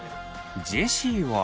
ジェシーは。